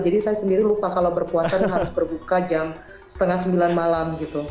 jadi saya sendiri lupa kalau berpuasa harus berbuka jam setengah sembilan malam gitu